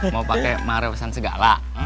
mau pakai maharosan segala